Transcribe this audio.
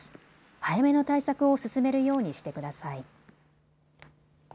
早めの対策を進めるようにしてください。